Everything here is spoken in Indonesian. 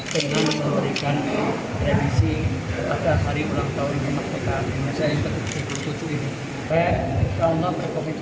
dengan memberikan remisi pada hari ulang tahun ini maksudnya indonesia yang ke tujuh ini saya